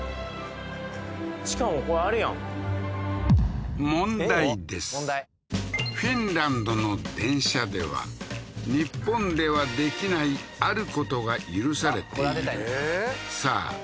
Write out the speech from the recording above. しかもこれあれやんフィンランドの電車では日本ではできないあることが許されているさあ